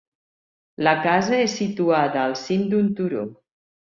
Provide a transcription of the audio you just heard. La casa és situada al cim d'un turó.